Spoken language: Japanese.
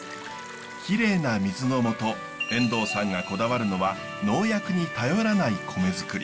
きれいな水のもと遠藤さんがこだわるのは農薬に頼らない米づくり。